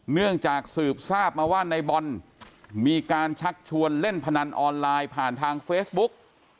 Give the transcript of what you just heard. เนื่องจากสืบทราบมาว่าในบอลมีการชักชวนเล่นพนันออนไลน์ผ่านทางเฟซบุ๊ก